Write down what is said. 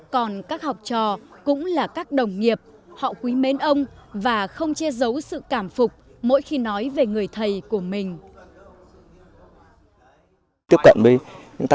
còn các học trò cũng là các đồng nghiệp họ quý mến ông và không che giấu sự cảm phục mỗi khi nói về người thầy của mình